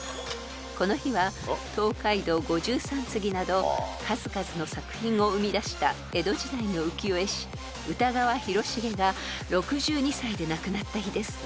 ［この日は『東海道五拾三次』など数々の作品を生み出した江戸時代の浮世絵師歌川広重が６２歳で亡くなった日です］